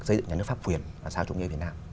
xây dựng nhà nước pháp quyền và xã hội chủ nghĩa việt nam